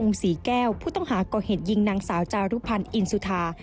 ศรีแก้วผู้ต้องหาก่อเหตุยิงนางสาวจารุพันธ์อินสุธา